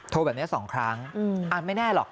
แบบนี้๒ครั้งไม่แน่หรอก